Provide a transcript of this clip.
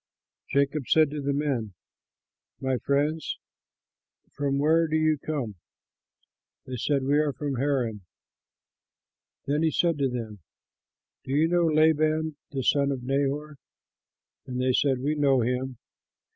Jacob said to the men, "My friends, from where do you come?" They said, "We are from Haran." Then he said to them, "Do you know Laban the son of Nahor?" And they said, "We know him."